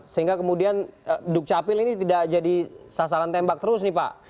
sehingga kemudian dukcapil ini tidak jadi sasaran tembak terus nih pak